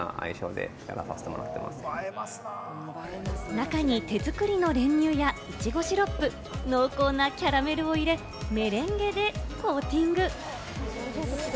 中に手作りの練乳やいちごシロップ、濃厚なキャラメルを入れ、メレンゲでコーティング。